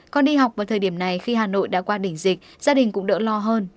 con đi học vào thời điểm này khi hà nội đã qua đỉnh dịch gia đình cũng đỡ lo hơn